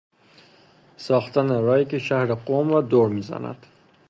ساختن راهی که شهر قم را دور میزند